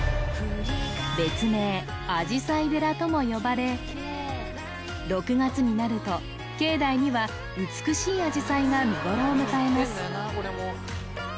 別名あじさい寺とも呼ばれ６月になると境内には美しいあじさいが見頃を迎えます